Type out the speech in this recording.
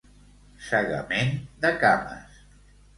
Segament de cames.